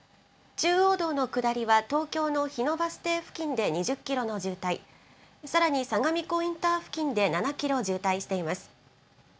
中央道の下りは東京の日野バス停付近で２０キロの渋滞、さらに相模湖インター付近で７キロ渋滞しています。